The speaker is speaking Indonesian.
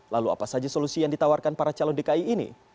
lalu apa saja solusi yang ditawarkan para calon dki ini